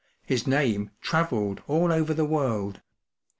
His name travelled all over the world.